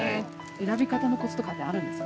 選び方のコツとかってあるんですか？